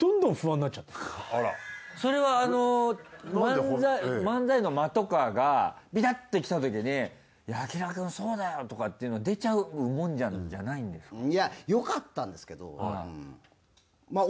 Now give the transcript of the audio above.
それは漫才の間とかがピタッてきたときに柳楽くんそうだよとかっていうの出ちゃうもんじゃないんですか？